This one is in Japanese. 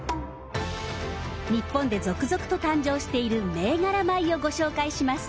日本で続々と誕生している銘柄米をご紹介します。